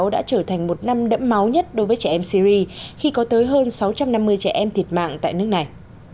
hai nghìn một mươi sáu đã trở thành một năm đẫm máu nhất đối với trẻ em syri khi có tới hơn sáu trăm năm mươi trẻ em thiệt mạng tại nước này